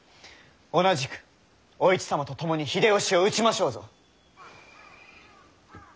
同じく！お市様と共に秀吉を討ちましょうぞ！